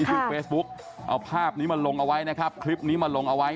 ชื่อเฟซบุ๊กเอาภาพนี้มาลงเอาไว้นะครับคลิปนี้มาลงเอาไว้